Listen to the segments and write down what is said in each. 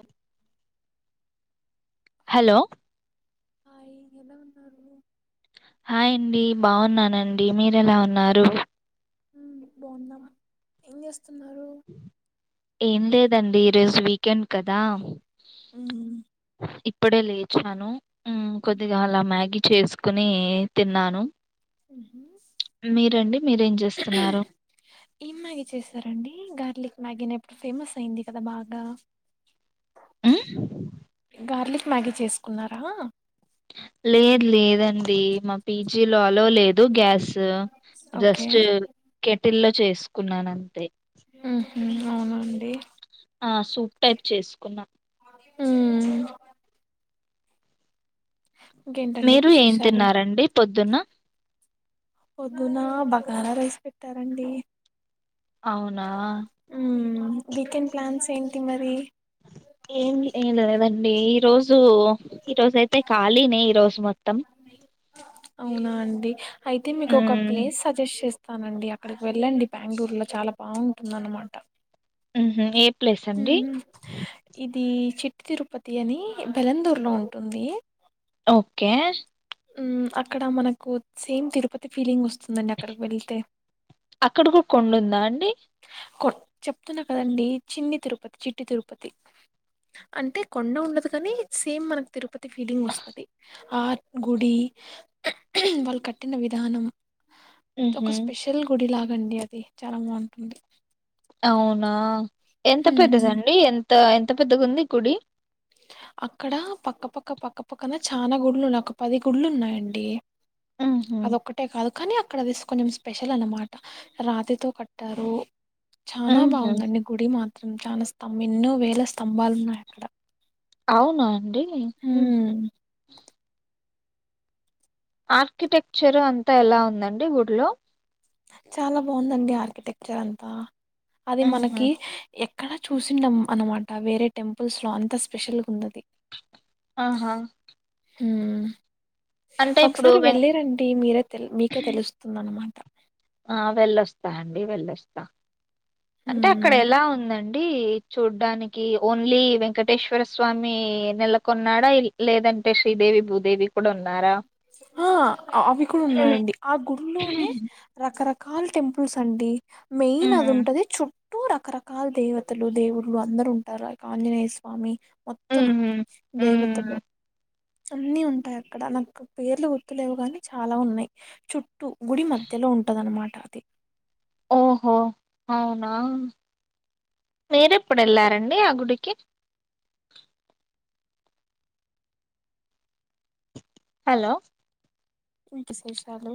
ఒ hello hi ఎలా ఉన్నారు హాయండి బాగున్నానండి మీరెలా ఉన్నారు ఉమ్ బాగున్నాం ఏంజేస్తున్నారు ఏం లేదండి ఈరోజు వీకెండ్ కదా ఊహ్మ్ ఇప్పుడే లేచాను ఉమ్ కొద్దిగా అలా మ్యాగి చేసుకునీ తిన్నాను మీరండి మీరేం చేస్తున్నారు ఏం మ్యాగి చేస్తారండి గార్లిక్ మ్యాగినే ఇప్పుడు ఫేమస్ అయింది కదా బాగా ఉమ్ గార్లిక్ మ్యాగీ చేసుకున్నారా లేదు లేదండి మా పీజీలో అలో లేదు గ్యాస్ ఓకే జస్ట్ కె టిల్లో చేసుకున్నానంతే ఉహు అవునుఅండి ఆ సూప్ టైప్ చేసుకున్నా ఉమ్ ఇంకేంటండి మీరు ఏం విశేషాలు తిన్నరండి పొద్ దున్న పొద్దున భాగర రైస్ పెట్టారండి అవునా ఉమ్ వీకెండ్ ప్లాన్స్ ఏంటి మరి ఎం ఏం లేదండి రోజ్ జు ఈ రోజు అయితే కలినే ఈ రోజ్ చుమ అవునా అండి అయితే మీకు ఒక హ్మ్. ప్లేస్ సజెస్ట్ చేస్ త నండి అక్కడికి వెళ్ళండి బెంగళూర్లో చాలా బావుంటుంది అన్నమాట ఉహు ఎప్ ఉహ్మ్ ఇది చిట్ తిరుపతి అని దెలంధుర్లో ఉంటుంది ఒకే ఉమ్ అక్కడ మనకు సేమ్ తిరుపతి ఫీలింగ్ వస్ అక్కడ కూ కొండా ఉందా అండి కో చెప్తున్నా కదా అండి చిన్ని తిరుపతి చిట్టీ తిరుపతి అంటే కొండా ఉండదు కానీ సేమ్ మన తిరుపతి ఫీలింగ్ వస్తది ఆ గుడి వాళ్ళు కట్టిన విధానం హుహు. ఒక స్పెషల్ గుడి లాగ డి అది చాలా బావుంది అండీ అవునా ఎంత పెద్దదండి ఎం త ఎంత పెద్దగా ఉంది గుడి అక్కడ పక్కపక్క పక్కపక్కన చాలా గుడ్లు ఉన్నయ్ ఒక పది గుడ్లు ఉన్నాయ్ అండి హుహు. అది ఒక్కటే కాదు కానీ అక్కడవి కొన్ని కొంచెం స్పెషల్ అన్నమాట రాతితో కట్టారు చానా హుహు. బాగుందండి గుడి మాత్ర చాలా స్తం ఎన్నో వేల స్తంబాలు ఉన్నాయి అక్కడ అవునా అండి ఉమ్ హ్మ్. ఆర్కిటెక్చర్ అంతా ఎలా ఉంది అండి గుడిలో చాలా బాగుందండి ఆర్కిటెక్చర్ అంతా అది హుహు. మనకి ఎ అక్కడ చూసిండం అనమాట వేరే టెంపుల్స్ లో అంత స్పెషల్ గా ఉన్నది ఆహా హు అంటే ఇప్పుడు ఒకసారి వె వెళ్ళిరండి మీరే మీకే తెలుస్తుందన్నమాట ఆ వెళ్ళొస్తా అండి వెళ్ళొస్తా అంటే అక్కడ హ్మ్. ఎలా ఉందండి చూడ్డానికి ఓన్లీ వెంకటేశ్వర స్వామి నెలకొన్నాడా లేదంటే శ్రీదేవి భూదేవి కూడా ఉన్నారా? ఆ అవి కూడా ఉన్నాయండి ఆ గుళ్లోనే రకరక కాల్ టెంపుల్స్ అండి మెయిన్ అది హ్మ్ ఉంటది చుట్ టూ రకరకాల దేవతలు దేవుళ్ళు అందరు ఉంటారు ఆంజనేయ స్వామి మొత్తం ఉహు దేవతలు హ్మ్ అన్నీ ఉంటా అక్కడ నాకు పేర్లు గుర్తులేవు కాని చాలా ఉన్నాయి చుట్టూ గుడి మధ్యలో ఉంటదన్నమాట అది ఓహో అవునా మీరెప్పుడు వెళ్ళారండి ఆ గుడికి హలో ఇంక విశేషాలు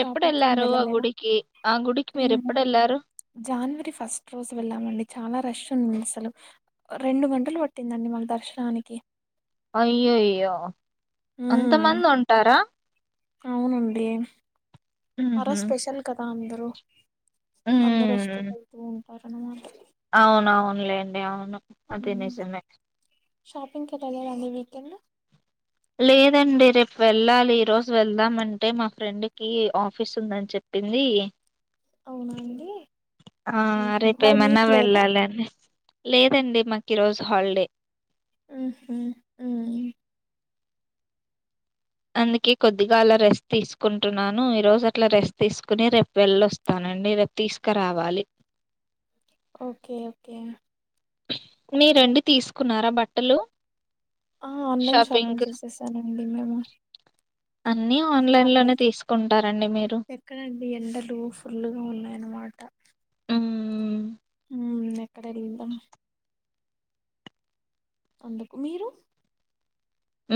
షాపింగ్ ఏం ఆ వెళ్ళలేదా గుడికి ఆ గుడికి మేము మీరెప్పుడెళ్ళారు జాన్వరి ఫస్ట్ రోజు వెళ్ళామండి చాలా రష్ ఉంది అసలు రెండు గంటలు పట్టిందండి మాకు దర్శనానికి అయ్యో అయ్యో అంత ఉమ్ మంది ఉంటారా అవునండి ఆ ఉహు రోజ్ స్పెషల్ కథా అందర్ రు అందరు వస్త హ్మ్ వెళ్తూ అరుణ్ మాటలు అవునవునులేండి అవును అది నిజమే పిగ్ కెళ్లలేదా ఈ అండి వీకేండ్ లేదండి రేపు వెళ్ళాలి ఈరోోజు వెళ్దామంటే మా ఫ్రెండ్కి ఆఫీస్ ఉందని చెప్పింది అవునా అండి ఆ మ్మ్హ్మ్. రేపు మరి ఏమన్నా మీకు లేదా వెళ్ళాలండి లేదండి మాకు ఈరోోజు హాలిడే మ్ హు మ్ అందుకే కొద్దిగా అల రెస్ట్ తీసుకుంటున్నాను ఈరోజు అట్లా రెస్ట్ తీసుకుని రేపు వెళ్ళొస్తానండి రేపు తీసుకరావాలి ఓకే ఓకే మీ రండి తీసుకున్నారా బట్టలు అ ఆన్లైన్ షాపింగ్ చేసేసానండి మేము అన్ని ఆన్లైన్ లోనే పండక్కి తీసుకుంటారండి మీరు ఎక్కడండి ఎండలు ఫుల్లుగా ఉన్నాయన్నమాట మ్మ్మ్ ఉ ఎక్కడేల్తామ్ అందుకు మీరు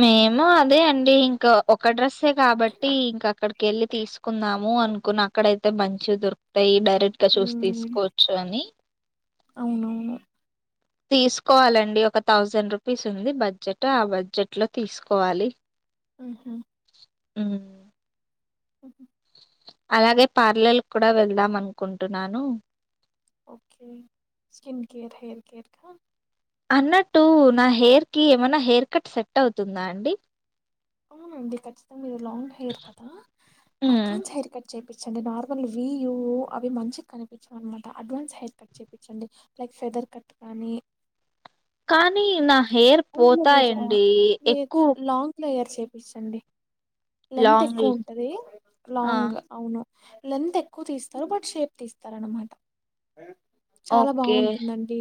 మేము అదే అండి ఇంకా ఒక డ్రెస్ స్సె కాబట్టి ఇంకా అక్కడ కెళ్ళి తీసుకుందాము అనుకున్న అక్కడయితే మంచివి దొరుకుతయి డై రెక్టెగా చూసి మ్మ్, తీసుకోవచ్చు అని అవునవును తీసుకోవాలండి, ఒక థౌజండ్ రూపీస్ ఉంది బడ్జెట్ ఆ బడ్జెట్ లో తీసుకోవాలి. మ్ హు హ్మ్ హుహ్ అలాగే పార్లల్కు కూడా వెళ్దాం అనుకుంటున్నాను. Okay skin care, hair care కా అన్నట్టు నా హెయిర్ కి ఏమన్నా హెయిర్ కట్ సెట్ అవుతుందా అండి. అవునండి ఖచ్చితంగా మీది లాంగ్ హెయిర్ కదా హ్మ్. అడ్వాన్స్ హెయిర్ కట్ చేపించండి నార్మల్ వి యూ అవి మంచిగా కనిపించవు అనమాట, అడ్వాన్స్ హెయిర్ కట్ చేయించండి లైక్ ఫెదర్ కట్ కానీ కాన్ నీ నా హెయిర్ పోతాయండి ఎక్కువ్ చేపిచండి లెంత్ ఎక్కువ ఉంటది ఆ! లాంగ్ అవును లెంత్ ఎక్కువ తీస్తారు బట్ షేప్ తీస్తారు అనమాట చాలా ఓకే. బాగుంటుందండి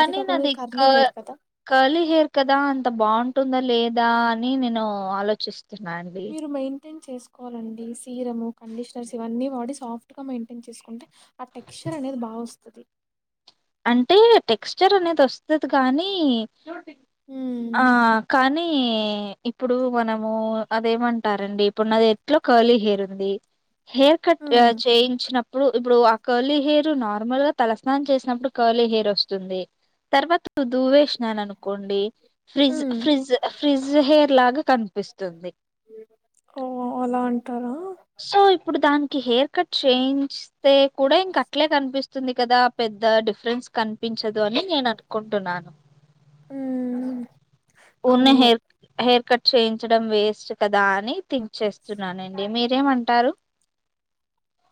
అది కాకుండా మీకు కర్లీ హెయిర్ కదా కర్లీహేర్ కదా అంత బావుంటుంద లేదా అని నేను ఆలోచిస్తున్న అవునా అండి మీరు మెయింటైన్ చేసుకోవాలండి. సీరము, కండిషనర్స్ ఇవన్నీ వాడీ సాఫ్ట్ గా మెయింటైన్ చేసుకుంటే ఆ టెక్స్చర్ అనేది బావస్తది. అంటే టెక్స్చర్ అనేది వస్తే వస్తది కానీ హ్మ్ ఆ కానీ నీ ఇప్పుడు మనము అదేమంటారండి ఇప్పుడు నాది ఎట్లో కర్లీ హెయిర్ ఉంది హెయిర్ కట్ ఆ హ్మ్ చేయించినప్పు ఇప్పుడు ఇప్పుడు ఆ కర్లీ హెయిర్ నార్మల్ గా తలస్నానం చేసినప్పుడు కర్లీ హెయిర్ వస్తుంది తర్వాత దువ్వేసినాననుకోండి ఫ్రీజ్ హ్మ్ ఫ్రిజ్ ఫ్రిజ్ హెయిర్ లాగకని ఓ అలా అంటారా సో ఇప్పుడు దానికి హెయిర్ కట్ చేయింస్తే కూడా ఇంక అట్లే కనిపిస్తుంది కదా పెద్ద డిఫరెన్స్ కనిపించదు అని నేను అనుకుంటున్నాను హ్మ్ ఉన్న అవును హెయిర్ హెయిర్ కట్ చేయించడం వేస్ట్ కదా అని థింక్ చేస్తున్నానండి మీరు ఏమంటారు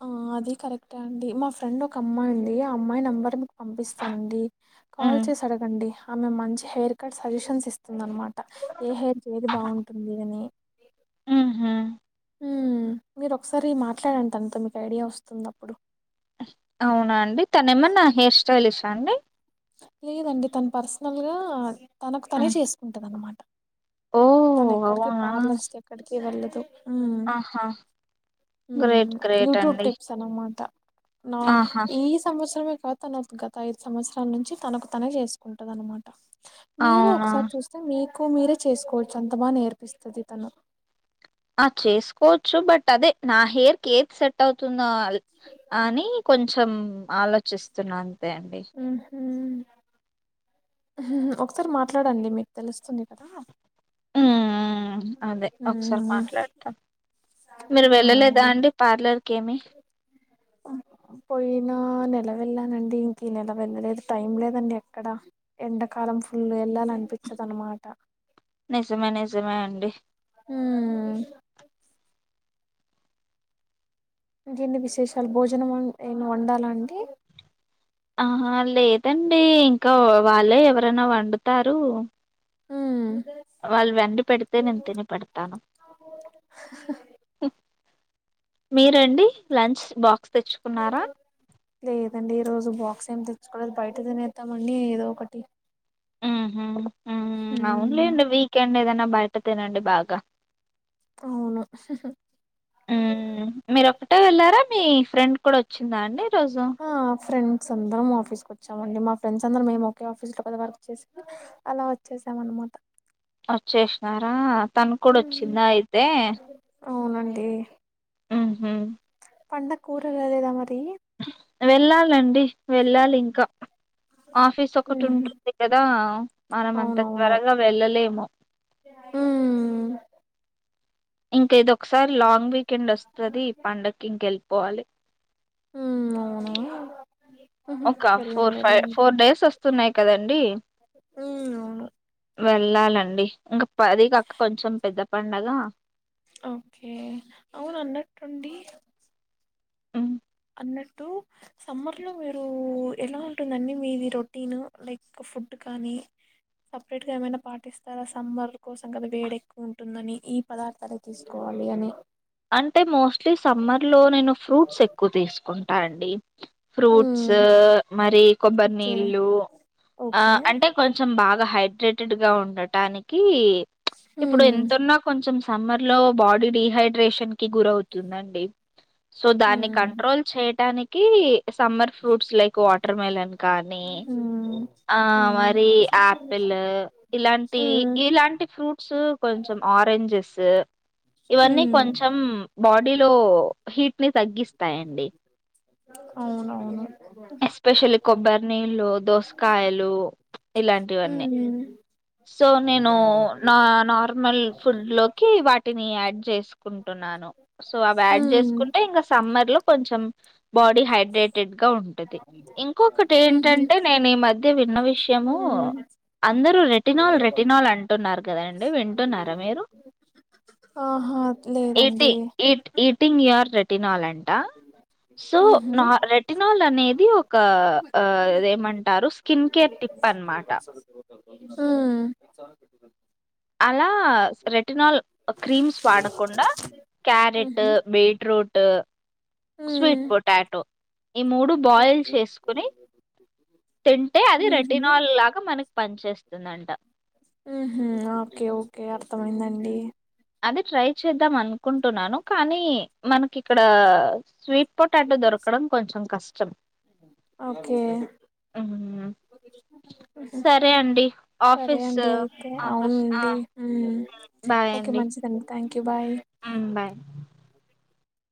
ఆ అదే కరెక్టా అండి మా ఫ్రెండ్ ఒక అమ్మాయి ఉంది ఆ అమ్మాయి నెంబర్ పంపిస్తానండి కాల్ ఉమ్ చేసి అడగండి ఆమె మంచి హెయిర్ కట్ సజెషన్స్ ఇస్తాది చెప్పుతుంది అన్నమాట ఏ హెయిర్ కి ఏది బాగుంటుంది అని ఉ హు ఉ మీరు ఒకసారి మాట్లాదండి తనతో మీకు ఐడియా వస్తుంది అప్పుడు అవునా అండి తన ఏమన్న హెయిర్ స్టైలిషా అండి లేదండి తను పర్సనల్ గా తనకు తనే చేసుకుంటాది అన్నమాట ఓ తను ఎక్కడికి అవునా పార్లర్స్ కి ఎక్కడికి వెళ్ళదు తో ఆహా హ్మ్ గ్రేట్ గ్రేట్ అండి నాన్ ఆహా ఇస్ సంవత్సరం కాదు తన గత ఐదు సంవత్సరాల నుంచి తనకు తనే చేసుకుంటాది అనమాట మీరు అవునా ఒకసారి చూస్తే మీ ఎక్కువ మీరే చేసుకోవచ్చు అంత బాగా నేర్పిస్తది తను ఆ చేసుకోవచ్చు బట్ అదే నా హెయిర్ కే ఏది సెట్ అవుతుందొ అని కొంచెం ఆలోచిస్తున్న అంతే అండి ఒకసారి మాట్లాడండి మీకు తెలుస్తుంది కదా ఉమ్ అదే ఒకసారి మాట్లాడతాం మీరు వెళ్ళలేదా అండి పార్లర్కి ఏమి పోయినా నేల వెళ్ళానండి ఇంక ఈ నెల వెళ్ళలేదు టైం లేదండి ఎక్కడ ఎండాకాలం ఫుల్ వెళ్ళాల అనిపించదు అన్నమాట నిజమే నిజమే అండి హమ్ ఇంకేంది విశేషాలు భోజనం ఏమైన వండాల అండి ఆ హా లేదండి ఇంకా వాళ్ళే ఎవరైనా వండుతారు వాళ్ళు వండి పెడితే నేను తిని పెడతాను మీరండి లంచ్ బాక్స్ తెచ్చుకున్నారా లేదండి ఈ రోజు బాక్స్ ఏం తెచ్చుకో బయట తినేస్తా మండి ఏదో ఒకటి ఉమ్ హా అవునులేండి వీకెండ్ ఏదైనా బయట తనడి భాగం అవును ఉమ్ మీరు ఒకటే వెళ్ళారా మీ ఫ్రెండ్ కూడా వచ్చిందా అండి రోజు ఆ ఫ్రెండ్ మా అందరం ఆఫీస్కి వచ్చామండి మా ఫ్రెండ్స్ అందరూ మేము ఒకే ఆఫీస్లో పెద్ద వర్క్ చేసి అలా వచ్చేసామ అన్నమాట వచ్చేసినారా తను కూడా వచ్చిందా అయితే అవునండి ఉహు పండ కూరలు అదేదమ అ వెళ్ళాలండి అ వెళ్ళాలి ఇంకా ఆఫీస్ ఒకటి ఉహు. ఉంటుంది కదా మనం అంత త్వరగా వెళ్ళలేము ఆ ఇంక ఇదిొ ఒకసారి లాంగ్ వీకెండ్ వస్తుంది ఈ పండగ ఇంకెళ్ళిపోవాలి ఉ అవును ఉహు. ఒక వెళ్ళండి ఫోర్ ఫైవ్ ఫోర్ డేస్ వస్త వస్తున్నాయి కదండి అవు అవును వెళ్ళాలండి ఇంకా అది కాక్క కొంచెం పెద్ద పండగ ఓకే అవును అన్నట్టుండి ఉమ్, అన్నదు సమ్మర్ లో మీరు ఎలా ఉంటుంద అన్నీ మీది రొటీన్ లైక్ ఫుడ్ కానీ సపరేట్ గా ఏమైనా పాటిస్తారా సమ్మర్ కోసం కదా వేడ ఎక్కువ ఉంటుందని ఈ పదార్థాన్ని తీసుకోవాలి అని అంటే మోస్ట్లీ సమ్మర్లో నేను ఫ్రూట్స్ ఎక్కువ తీసుకుంటాను ంట అండి ఫ్రూట్స్ హ్మ్ మరి కొబ్బరి ఓకే నీళ్ళు ఆ ఓకే అంటే కొంచెం కొం బాగా హైడ్రేటెడ్ గా ఉండటానికి ఇప్పుడు హ్మ్ ఎంతన్నా కొంచెం సమ్మర్ లో బాడీ రీహైడ్ రేషన్ కి గురవుతుందండి సో దాన్ని హ్మ్ కంట్రోల్ చేయడానికి క సమ్మర్ ఫ్రూట్స్ లైక్ వాట మే అ కానీ హ్మ్ ఆ అవును మరి ఆపిల్ ఇలాంటివి హ్మ్ ఇలాంటి ఫ్రూట్స్ కొంచెం ఆరెంజెస్ స హ కొంచెం బాడీలో హీట్ ని తగ్గిస్తాయంండి అవునవును ఎస్పెషల్లీ కొబ్బరి నీళ్ళు దోసకాయలు ఇలాంటివన్నీ హ్మ్ సో నేను నా నార్మల్ ఫుడ్ లోకి వాటిని డ్ చే తీసుకుంటున్నాను సో అవి యాడ్ హ్మ్ చేసుకుంటే ఇంకా సమ్మర్ లో కొంచం బాడీ హైడ్రేటెడ్ గా ఉంటుది ఇంకొకటి ఊహూ ఏంటంటే నేను ఈ మధ్య విన్న విషయము హ్మ్ అందరూ రె ెటిల్ రెటినాల్ అంటున్నారు కదాండి వింటున్నారా ఆహా లేదండి మీరుటింగ్ తినాలండి సో నా ఊహూ రెటినాల్ అనేది ఒకద ఏమంటారు స్కిన్ కేర్ టిప్ అనమాట ఆ అలా రెటినాల్ క్రీమ్స్ వాడకుండా క్యారెట్ బీట్రూట్ స్వీట్ పొటాటో ఈ మూడు బాయిల్ చేసుకుని తింటే అది రెటినాల్ లాగా మనకి పని చేేస్తుందంట హ ఓకే ఓకే అర్థమైందండి అది ట్రై చేద్దాం అను అనుకుంటున్నాను కానీ మనకి ఇక్కడ స్వీట్ పొటాటో దొరకడం కొంచెం కష్టం ఓకే సరే అండి సరే ఆఫీస్ అండి అయితే ఆఫీస్ అవునండి బాయ్ అండి సంతాం బాయ్